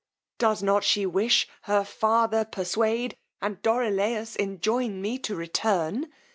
Does not she wish, her father persuade, and Dorilaus enjoin me to return!